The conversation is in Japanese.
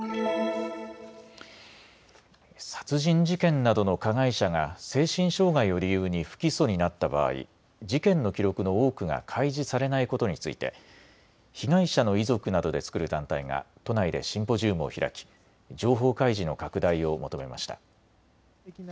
殺人事件などの加害者が精神障害を理由に不起訴になった場合、事件の記録の多くが開示されないことについて被害者の遺族などで作る団体が都内でシンポジウムを開き情報開示の拡大を求めました。